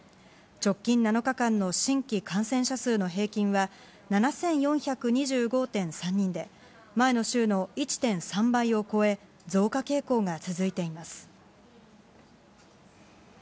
直近７日間の新規感染者数の平均は、７４２５．３人で、前の週の１．３倍を超え、増加傾向が続いています。